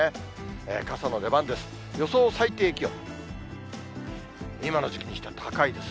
傘の出番です。